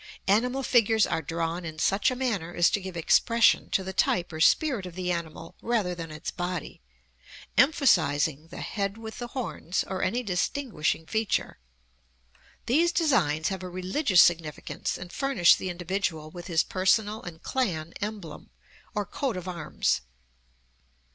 Animal figures are drawn in such a manner as to give expression to the type or spirit of the animal rather than its body, emphasizing the head with the horns, or any distinguishing feature. These designs have a religious significance and furnish the individual with his personal and clan emblem, or coat of arms.